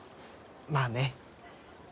まあね。